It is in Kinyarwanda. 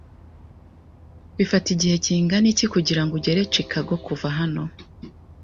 Bifata igihe kingana iki kugirango ugere Chicago kuva hano?